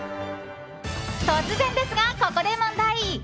突然ですが、ここで問題！